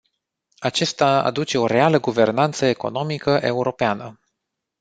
Acesta aduce o reală guvernanță economică europeană.